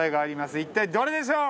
一体どれでしょう？